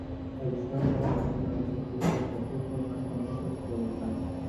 El Shelbourne es uno de los equipos de fútbol más famosos de Irlanda.